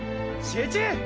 集中！